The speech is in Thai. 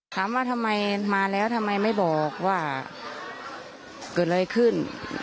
ถามว่าทำไมมาแล้วทำไมไม่บอกว่าเกิดอะไรขึ้น